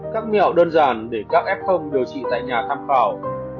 các mẹo đơn giản để các ép phông điều trị tại nhà tham khảo